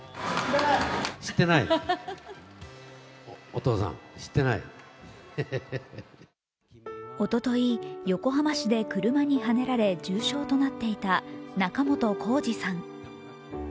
おととい、横浜市で車にはねられ、重傷となっていた仲本工事さん。